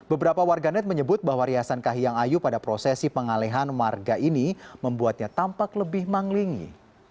beberapa warganet menyebut bahwa riasan kahiyang ayu pada prosesi pengalehan warga ini membuatnya tampak lebih manglingi